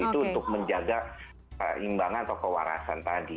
itu untuk menjaga keimbangan atau kewarasan tadi